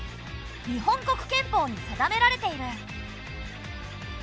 日本国憲法に定められている。